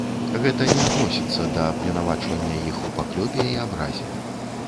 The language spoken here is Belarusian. Гэта не адносіцца да абвінавачвання іх у паклёпе і абразе.